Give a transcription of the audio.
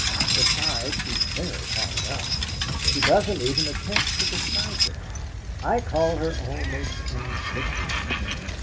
Besides, she's very hard up. She doesn't even attempt to disguise it. I call her almost an adventuress."